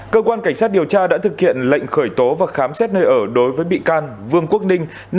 cơ quan cảnh sát điều tra đã thực hiện lệnh khởi tố và khám xét nơi ở đối với bị can vương quốc ninh